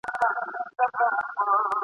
پر ډوډۍ یې زهر وپاشل په ښار کي..